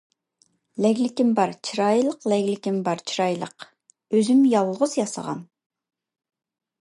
لەگلىكىم بار چىرايلىق لەگلىكىم بار چىرايلىق، ئۆزۈم يالغۇز ياسىغان.